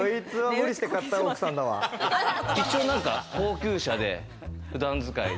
一応なんか高級車で、普段使いで。